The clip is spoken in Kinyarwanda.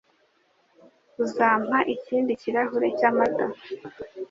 Uzampa ikindi kirahure cyamata?